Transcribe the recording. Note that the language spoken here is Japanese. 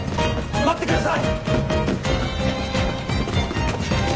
待ってください！